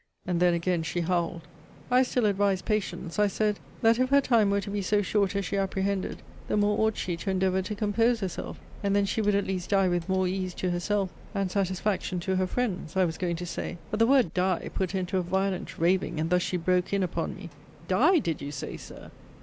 And then again she howled. I still advised patience. I said, that if her time were to be so short as she apprehended, the more ought she to endeavour to compose herself: and then she would at least die with more ease to herself and satisfaction to her friends, I was going to say But the word die put her into a violent raving, and thus she broke in upon me. Die, did you say, Sir?